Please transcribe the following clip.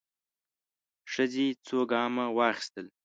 ښځې څو ګامه واخيستل.